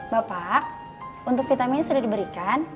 bapak untuk vitaminnya sudah diberikan